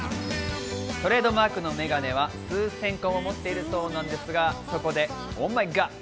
トレードマークのメガネは数千個も持っているそうなんですが、そこでＯｈＭｙＧｏｄ！